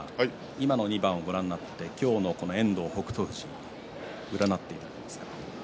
今の２番をご覧になって今日の遠藤、北勝富士占っていただけますか？